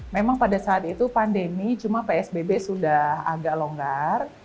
memang pada saat itu pandemi cuma psbb sudah agak longgar